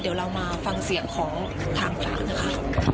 เดี๋ยวเรามาฟังเสียงของทางศาลนะคะ